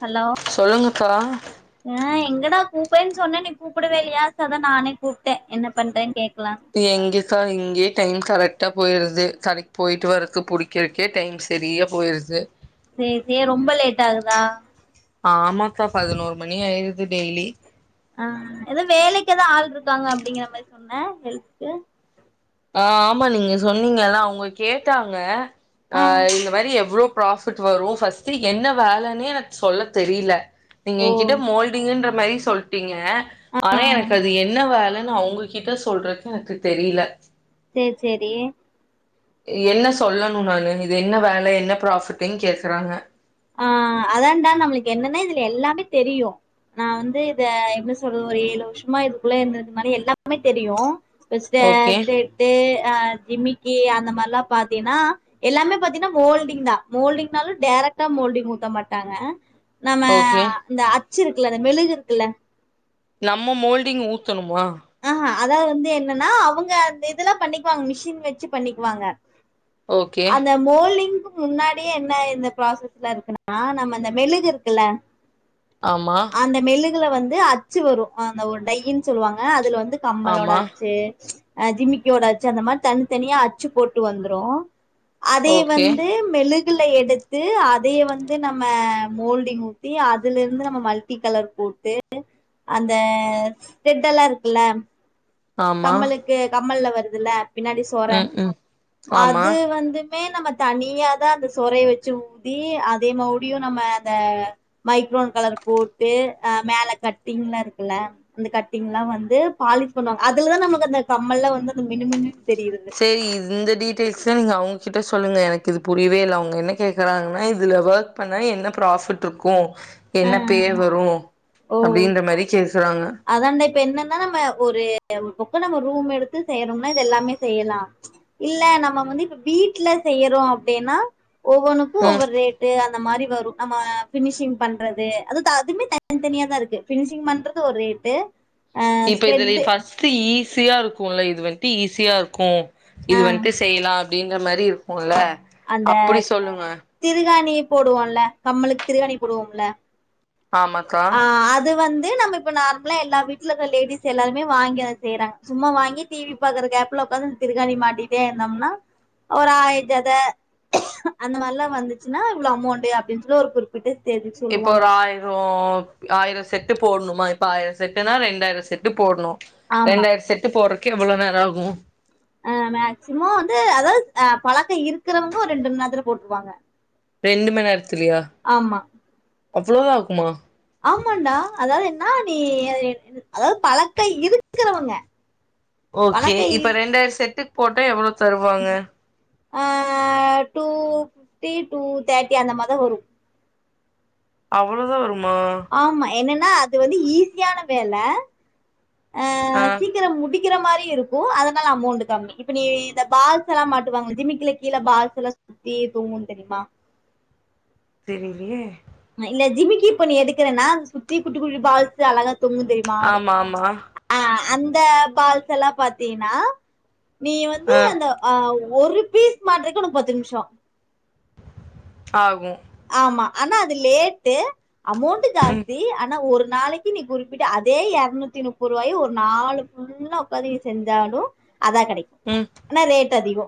Hello சொல்லுங்கப்பா ஆ எங்கடா கூப்பேன் சொன்னேன் நீ கூப்படவேலையா சொ அதா நானே கூப்ட்டே என்ன பண்றேன் கேக்கலா எங்கசா இங்கேயே டைம் கரெக்டா போயிடுது கரெக்ட் போய்ட்டு வற்றக்கு புடிக் கறக்கே டைம் சரியா போய்ருது சேரி ரொம்ப லேட் ஆகுதா ஆமாக்கா பதினோர் மணி ஆயிருது டெய்லி ஆ எதா வேலைக்கு எதா ஆள் இருக்காங்க அப்படிங்கற மாரி சொன்னே ஹெல்ப்கு ஆ ஆமா நீங்க சொன்னீங்கல்லா அவங்க கேட்டாங்க ஆ இந்த மாரி எவ்ளோ ப்ராஃபிட் வரு ஃபர்ஸ்ட்டு என்ன வேலென்னே எனக் சொல்ல தெரில்ல நீங்க ஓ என் கிட்ட மோல்டிங்குன்ற மாரி சொல் டிங்க ஆ ஆனா எனக்கு அது என்ன வேலன்னு அவங்ககிட்ட சொல்றக்கு எனக்கு தெரில்ல சேர் சேரி என்ன சொல்லணு நானு இது என்ன வேல என்ன ப்ராஃப்ட்டுன் கேக்குறாங்க ஆ அதான் டா நம்மளுக் என்னன்னா இதுல எல்லாமே தெரியு நா வந்து இத என்ன சொல்றது ஒரு ஏழு வருஷமா இதுக்குள்ள இருந்தது மாரி எல்லாருக்குமே தெரியு [unintelligible] ஓகே தெட்டு அ ஜிம்மிக்கி அந்த மார்லா பாத்தீன்னா எல்லாமே பாத்தீங்னா மோல்டிங் தா மோல்டிங்னாலு டேரக்ட் டா மோல்டிங் ஊத்த மாட்டாங்க நம்ம ஓகே இந்த அச்சு இருக்குல்ல அந்த மெழுகு இருக்குல்ல நம்ம மோல்டிங் ஊத்தணுமா அஹா அதா வந்து என்னன்னா அவுங்க அந்த இதெல்லா பண்ணிக்குவாங்க மிஷின் வெச்சி பண்ணிக்குவாங்க ஓகே அந்த மோல்டிங்க்கு முன்னாடியே என்ன இந்த ப்ராசஸ்ல இருக்குன்னா நம்ம அந்த மெழுகு இருக்குல ஆமா அந்த மெலுகள வந்து அச்சு வரு அந்த ஒரு டையின் சொல்லுவாங்க அதுல வந்து கம்மலோட ஆமா ஆச்சு அ ஜிமிக்கியோட ஆச்சு அந்த மார் தன் தனியா அச்சு போட்டு வந்துரு அதே ஓகே வந்து மெழு கல்லே எடுத்து அதைய வந்து நம்ம மோல்டிங் ஊத்தி அதுல இருந்து ந நம்ம மல்டி கலர் போட்டு அந்த ரெட் எல்லா இருக்குல்ல ஆமா கம்மலுக்கு கம்மல்ல வருதுல்ல பின்னாடி சொற ம் ம் ஆமா அது வந்து அதுமே நம்ம தனியா தா அந்த சொறைய வச்சி ஊத்தி அதே மௌடியு நம்ம அந்த மைக்ரோன் கலர் போட்டு அ மேல கட்டிங்லா இருக்குல அந்த கட்டிங்லா வந்து பாலிஷ் பண்ணுவாங்க அதுலதா நமக்கு அந்த கம்மல்லா வந்து அந்த மினுமினுன் தெரிறது செரி இந்த டீட்டெயில்ஸ்லா நீங்க அவுங்கிட்ட சொல்லுங்க எனக்கு இது புரியவே இல்ல அவுங்க என்ன கேட்குறாங்கன்னா இதுல ஒர்க் பண்ணா என்ன ப்ராஃபிட் இருக்கு ஆ என்ன பேர் வரு அப்டின்ற மாரி கேக்குறாங்க அதான்ண்ட இப்ப என்னன்னா நம்ம ஒரு ஒரு பக்கோ நம்ம ரூம் எடுத்து செய்றோம்னா இது எல்லாமே செய்லா இல்ல நம்ம வந்து இப்ப வீட்ல செய்றோ அப்டின்னா ஒவ்வொனுக்கு ம் ஒவ்வொரு ரேட் டு அந்த மாரி வரு நம்ம பினிஷிங் பண்றது அது அதுமே தனி தனியா தா இருக்கு பினிஷிங் பண்றது ஒரு ரே ட்டு இப்ப இதுல ஃபர்ஸ்ட்டு ஈஸியா இருக்குல இது வன்ட்டு ஈஸியா இருக்கு இது ஆ வன்ட்டு செய்லா அப்டின்ற மாரி இருக்குல அந்த திருகாணி போடுவோல கம்மலுக்கு திருகாணி போடுவோம்ல ஆமாக்கா ஆ அது வந்து நம்ம இப்ப நார்மலா எல்லா வீட்ல இருக்ற லேடிஸ் எல்லாருமே வாங்கி அத செய்யறாங்க சும்மா வாங்கி டிவி பாக்கற கேப்ல உட்காந்து திருக்கணி மாட்டிட்டே இருந்தோம்னா ஒரு ஆய ஜத அந்த மார்லா வந்துச்சுன்னா இவ்ளோ அமௌண்ட்டு அப்டின் சொல் ஒரு குறிப் பிட்டு தெரிஞ் இப்போ ஒரு ஆயிரோ ஆயிரோ செட்டு போட்ணுமா இப்ப ஆயிர செட்டுனா ரெண்டாயிர செட்டு போட்ணு ஆமா ரெண்டாயிரம செட்டு போறக்கே எவ்ளோ நேர ஆகு அ மேக்சிமம் வந்து அதாவ்து அ பழக்க இருக்கிறவங்க ஒரு ரெண்டு மண் நேரத்துல போட்ருவாங்க ரெண்டு மண் நேரத்துலையா ஆமா அவ்ளோதா ஆக்குமா ஆமாண்டா அதாவது என்ன நீ அதாவது பழக்க இருக்றவுங்க ஓகே இப்ப ரெண்டாயிர செட்டுக் போட்டா எவ்ளோ தருவாங்க ஆ டூ ஃபிப்டி டூ தேர்ட்டி அந்த மார்தா வரு அவ்ளோதா வருமா ஆமா என்னன்னா அது வந்து ஈஸியான வேல ஆ சீக்கிரோ முடி க்கிற மாரி இருக்கு அதனால அமௌண்ட்டு கம்மி இப்ப நீ இந்த பால்ஸ்ஸெல்லா மாட்டுவாங்கல ஜிமிக்கல கீழ பால்ஸ்ஸெல்லா சுத்தி தொங்கு தெரிமா தெரிலியே இல்ல ஜிமிக்கி இப்ப நீ எடுக்குறன்னா அத சுத்தி குட்டி குட்டி பால்ஸு அழகா தொங்கு தெரிமா ஆடு ஆமா ஆமா ஆ அந்த பால்ஸ்ஸெல்லா பாத்தீங்கன்னா நீ வந்து ஆ அந்த ஆ ஒரு பீஸ் மாட்றக்கு ஒனக்கு பத்து நிம்ஷோ ஆகு ஆமா ஆனா அது லேட்டு அமௌண்ட்டு ம் ஜாஸ்தி ஆனா ஒரு நாளை க்கி நீ குறிப்பிட்டு அதே எர்நூத்தி முப்பருவாய ஒரு நாளு ஃபுல்லா ஒக்காந்து நீ செஞ்சாலு அதா கெடை ம் ஆனா ரேட் அதிகோ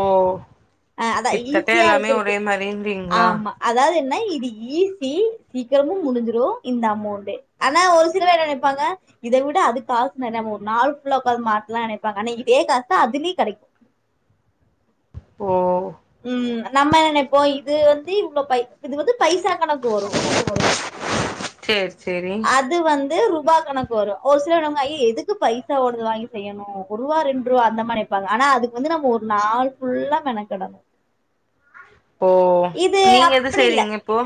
ஓ ஆ அதா கிட்த்தட்ட எல்லாமே ஒரே மாரிறீங்ளா அதாவ்து என்னா இது ஈஸி சீக்கிரமு முடிஞ்சிரு இந்த அமௌண்ட்டு ஆனா ஒரு சில பேர் என்ன நெனைப்பாங்க இத விட அது காசு நெறயா ஒரு நாள் ஃபுல்லா ஒக்காந்து மாட்லா நெனைப்பாங்க ஆனா இதே காசு அதுலி கெடைக்கு ஓ ம் நம்ம என்ன நெனைப்போ இது வந்து இவ்ளோ பை இது வந்து பைசா கணக்கு வரு சேர் சேரி அது வந்து ருபா கணக்கு வரு ஒரு சிலர் என்னன்வாங்க ஐய எதுக்கு பைசா ஓடது வாங்கி செய்யனு ஒருவா ரெண்டுருவா அந்தமா நென ப்பாங்க ஆனா அதுக்கு வந்து நம்ம ஒரு நாள் ஃபுல்லா மெனக்கெடனு ஓ இது நீங்க எது அப்டி இல்ல செய்றீங்க இப்போ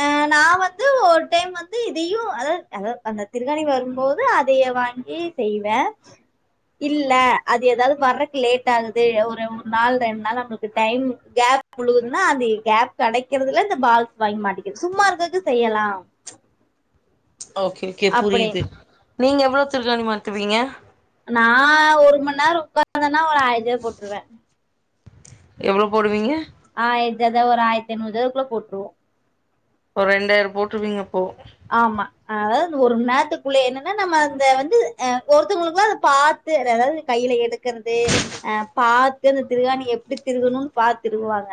ஆ நா நா வந்து ஒரு டைம் வந்து இதையு அதாவ் அதாவ் அந்த திருகாணி வரும்போது அதைய வாங்கி செய்வே இல்ல அது எதாவு வர்றக்கு லேட் ஆகுது ஒரு ஒர் நாள் ரெண் நாள் நம்ளுக்கு டைம் கேப் முழுதும்னா அந்தி கேப் கெடைக்கிறதுல இந்த பால்ஸ் வாங்கி மாட்டிக்கது சும்மா இருக்கக்கு செய்யலா ஓகே ஓகே அப்படி புரிது நீங்க எவ்ளோ திருகாணி மாட்டுவீங்க நா ஒரு மண்நேரோ உக்காந்தன்னா ஒரு ஆய்ரோ ஜத போட்ருவே எவ்ளோ போடுவீங்க ஆய்ர ஜத ஒரு ஆயர்த்ஐநூறு ஜதக்குள்ள போட்ருவோ ஒரு ரெண்டாய்ரோ போட்ருவீங்க அப்போ ஆமா அதாவ்து இந்த ஒரு மண்நேரத்துக்குள்ளே என்னென்ன நம்ம அந்த வந்து ஆ ஒருத்தோங்ளுக்ளா அத பா த்து அத அதாவ்து கைல எடுக்கறது அ பாத்து அந்த திருகாணி எப்டி திருகணுன் பாத்திருகுவாங்க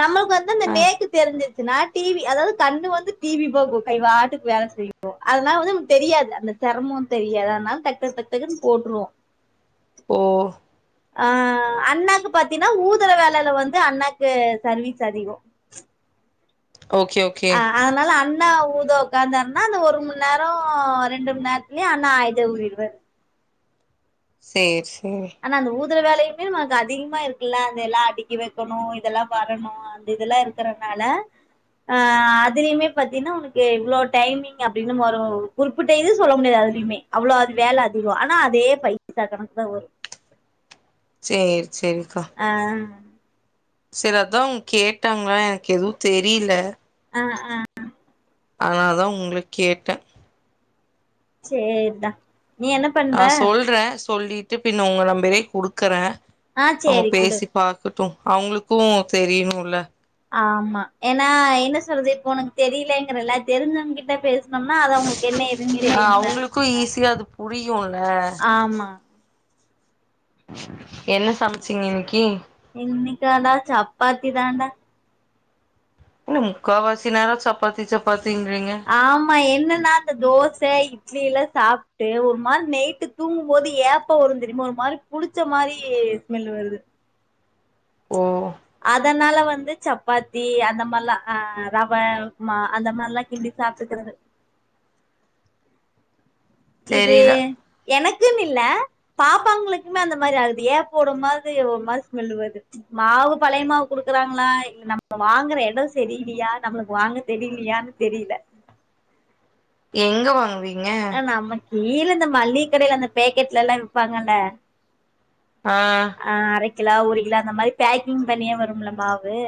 நம்மளுக்கு வந் து அந்த ஆ நேக்கு தெரிஞ்சுருச்சுனா டிவி அதாவ்து கண்ணு வந்து டிவி பாக்கு கை வா ட்டுக் வேல செய்யு அதனால வந்து நமக்கு தெரியாது அந்த செரமோ தெரியாது ஆனால டக் டக் டக் டகுனு போட்ருவோ [inaudible] ஓ ஆ அண்ணாக்கு பாத்தீனா ஊதுர வேலைல வந்து அண்ணாக்கு சர்வீஸ் அதிகோ ஓகே ஓ ஆ அதனால அண் ணா ஊத ஒக்காந்தார்னா அந்த ஒரு மண்நேரோ ரெண்டு மண்நேரத்துலே அண்ணா ஆயஜத ஊதிடுவாரு சேர் சே ஆனா அந்த ஊதுற வேலயுமே நமக்கு அதிகமா இருக்குல்ல அந்தெல்லா அடுக்கி வெக்கனு இதெல்லா வரனு அந்த இதெல்லா இருக்கறனால ஆ அதுலயுமே பாத்தீங்கனா உனக்கு இவ்ளோ டைமிங் அப்டின்னு வரூ ஒரு குறிப்பிட்ட இது சொல்ல முடியாது அதுலயுமே அவ்ளோ அது வேல அதிகோ ஆனா அதே பைசா கணக்கு தா வரூ சேரி சேரிக்கா ஆ சிலத்தூ அவங் கேட்டாங்கா எனக்கு எதூ தெரியல அ அ ஆனா தா உங்களுக் கேட்டே சேர்தா நீ என்ன ஆ பண்ற சொல்றே சொல்லிட்டு பின் உங்க நம்பரே குடுக்கறே ஆ அவங்க சேரி குடு பேசி பாக்கட்டூ அவங்களுக்கு தெரியணுல்ல ஆம்மா ஏனா என்ன சொல்து இப்போ உனக்கு தெரியலங்கிறல தெரிஞ்சவங் கிட்ட பேச னோம்னா அத அவ்ங்களுக்கு என்ன ஏதுன் ஆ தெரியுன்ல அவுங்களுக்கு ஈஸியா அது புரியுல ஆமா என்ன சம்ச்சிங்க இன்னக்கி இன்னைக்காடா சப்பாத்தி தான்டா இன்ன முக்காவாசி நேரோ சப்பாத்தி சப்பாத்திங்றீங்க ஆமா என்னன்னா அந்த தோச‌ இட் லி எல்லா சாப்ட்டு ஒரு மாரி நெய்ட்டு தூங்கும்போது ஏப்ப வரூ தெரியுமா ஒரு மாரி குடிச்ச மாரி ஸ்மெல்லு வருது ஓ அதனால வந்து சப்பாத்தி அந்த மார்லா அ ரவ உப்மா அந்த மார்லா கின்டி சாப்டுக்கிறது இது தெரில எனக்குனில்ல பாப்பாங்களுக்குமே அந்த மாரி ஆகுது ஏப்ப உடுமாது ஒரு மாரி ஸ்மெல்லு வருது மாவு பழய மாவு குடுக்குறாங்களா இல்ல நம்ம வாங்குற எடோ சரியில்லியா நம்ளுக்கு வாங்க தெரியலியான்னு தெரியல எங்க வாங்குவி ஆ நம்ம கீழ இந்த மள்ளிக கடைல அந்த பேக்கெட்லலா விப்பாங்கல்ல ஆ ஆ அரக்கிலொ ஒரு கிலோ அந்த மாரி பேக்கிங் பண்ணியே வரும்ல மாவு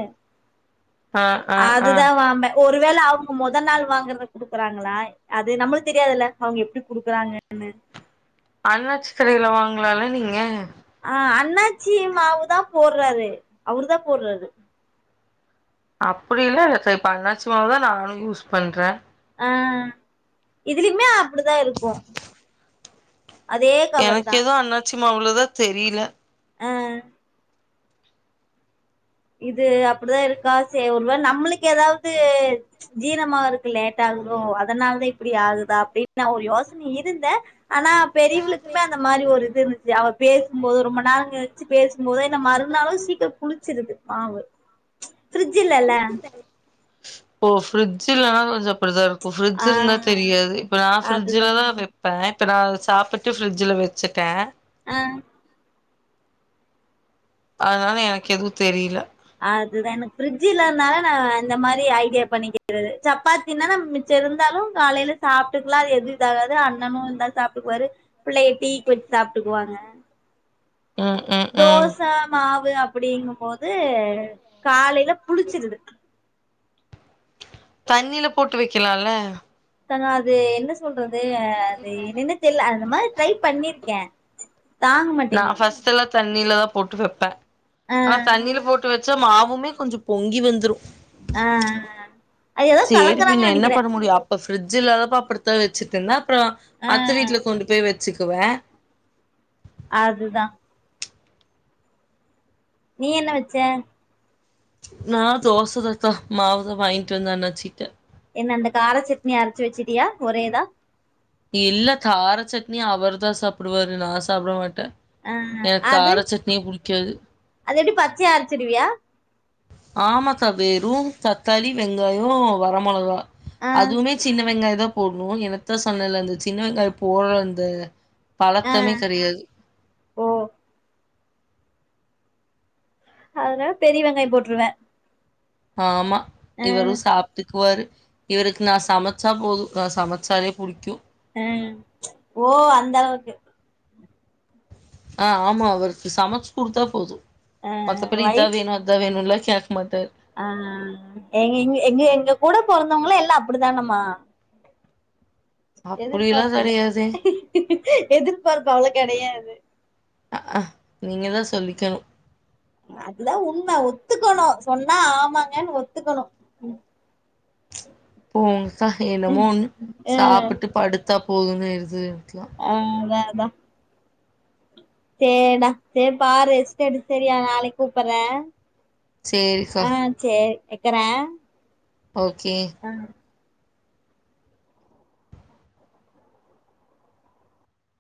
ஆ ஆ ஆ அதுதா வாம்ப ஒருவேள அவங்க மொத நாள் வாங்கறத குடுக்குறாங்களா அது நம்மளு தெரியாதுல்ல அவங்க எப்டி குடுக்குறாங்கன்னு அண்ணாச்சி கடைல வாங்கலால்ல நீங்க ஆ அண்ணாச்சி மாவுதா போட்றாரு அவரு தா போடுறாரு அப்டியெல்லா வெச்சே பண்ணாச்சு மாவ்தா நானூ யூஸ் பண்றே ஆ இதிலுமே அப்டிதா இருக்கூ எனக்கு தா எதுவு அண்ணாச்சி மாவ்லதா தெரியல அ இது அப்டிதா இருக்கா சே ஒருவ நம்மளுக்கு ஏதாவ்து ஜீரமா ஆகறக்கு லேட்டாகுதோ அதனால் தா இப்டி ஆகுதா அப்டின் நா ஒரு யோசன இருந்த ஆனா பெரியவளுக்குமே அந்த மாரி ஒரு இது இருந்து அவ பேசும்போது ரொம்ப நேரோ கழிச்சு பேசும்போது என்ன மறுநாளு சீக்கரம் புளிச்சிருது மாவு ஃபிரிட்ஜ் இல்லல்ல ஓ ஃப்ரிட்ஜ் இல்லன்னா கொஞ்ச அப்டிதா இருக்கூ இப்ப ஃப்ரிட்ஜ் ஆ இருந்தா தெரியாது இப்ப நா அதுதா ஃப்ரிட்ஜ்ல தா வெப் ப்பே இப்ப நா சாப்பிட்டு ஃப்ரிட்ஜ்ல வெச்சுட்ட ஆஹ் அதனால எனக்கு எதுவும் தெரியல அதுதான் எனக்கு பிரிட்ஜ் இல்லாதனால நான் அந்த மாதிரி ஐடியா பண்ணிக்கிறது சப்பாத்தின்ன நம்ம மிச் சம் இருந்தாலும் காலையில சாப்பிட்டுக்கலாம் அது எதுவும் இத ஆகாது அண்ணனும் இருந்தா சாப்பிட்டுக்குவாரு பிள்ளைக டீக்கு வச்சு சாப்பிட்டுக்குவாங்க ம் ம் ம் தோசை மாவு அப்படிங்கும்போது காலையில புளிச்சிருது தண்ணில போட்டு வைக்கலாம்ல தங்க அது என்ன சொல்றது அது என்னன தெரியல அந்த மாரி ட்ரை பண்ணிருக்கேன் நான் பஸ்ட் எல்லாம் தண்ணில தான் போட்டு வைப்பேன் ஆ ஆனா தண்ணியில போட்டு வச் சா மாவுமே கொஞ்சம் பொங்கி வந்துரும் ஆஹ் அது ஏதோ கலக்குறாங்கன்னு நினைக்கிறேன் அப்போ ஃப்ரிட்ஜ் இல்லாதப்போ அப்படித்தான் வச்சுட்டு இருந்தேன் அப்புறம் ஆ அத்தை வீட்ல கொண்டு போய் வச்சுக்குவேன் அதுதான் நீ என்ன வச்ச நான் தோசத்தா க்கா மாவுத வாங்கிட்டு வந்தே அண்ணாச்சிட்ட என்ன அந்த காரச்சட்னிய அரைச்சி வச்சிட்டியா ஒரேதா இல்ல கார சட்னி அவர்தான் சாப்பிடுவாரு நான் சாப்பிட மாட்டேன் அஹ் அது அது எப்படி பச்சையா அரைச்சிருவியா ஆமத்த வேரும் தக்காளி வெங்காயம் வர மொளகா ஆ அதுவுமே சின்ன வெங்காய தான் போடணும் எனத்தான் சொன்னல அந்த சின்ன வெங்காயம் போடுற அந்த ஆ பழக்கமே கிடையாது ஓ அதனால பெரிய வெங்காயம் போட்டுருவேன் ஆமா இவரும் சாப்பிட்டுக்குவாரு இவருக்கு நான் சமைச்சா போதும் நான் சமைச்சாலே பிடிக்கும் ம் ஓ அந்த அளவுக்கு ஆ ஆமா அவருக்கு சமைச்சு குடுத்தா போதும் ஆ மத்தபடி இதான் வேணும் அதான் வேணுன்லாம் கேக் மாட்டார் ஆஹ்எங்க எங்க எங்க கூட பொறந்தவங்களா எல்லாம் அப்படிதாங்கமா அப்படிலாம் எதிர்பார்ப்பு இல்ல கிடையாதே. எதிர்பார்ப்பு அவ்வள கிடையாது அ அ நீங்கள் தான் சொல்லிக்கணும் அதுதான் உண்ம ஒத்துக்கணும் சொன்னா ஆமாங்கன்னு ஒத்துக்கணும் போங்கக்கா என்னமோ ஆ சாப்பிட்டு படுத்தா போதும்ன்னு இருந்துருக்கலாம் ஆஹ் அதான் அதான் சேரிடா சேரி பாரு ரெஸ்ட் எடு சரியா நாளைக்கு கூப்பிடறேன் சரிக்கா. ஆஹ் சேரி வைக்கறே ஓகே ம்